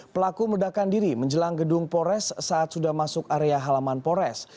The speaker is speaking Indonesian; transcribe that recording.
pelaku meledakan diri menjelang gedung pores saat sudah masuk area halaman polres